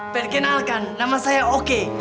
perkenalkan nama saya oke